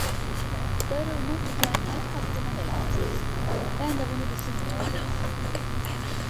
Darılma, gücenme, hakkını helal et! Ben de bunu düşünmüyor değildim.